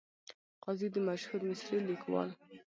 قاضي د مشهور مصري لیکوال .